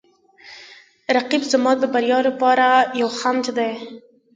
رقیب زما د بریا لپاره یو خنډ دی